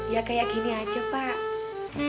ya kayak gini aja pak